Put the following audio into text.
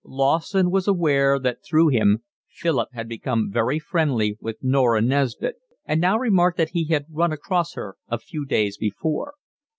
Lawson was aware that through him Philip had become very friendly with Norah Nesbit and now remarked that he had run across her a few days before.